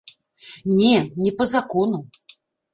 Не, не па закону.